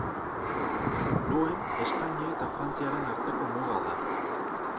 Duen Espainia eta Frantziaren arteko muga da.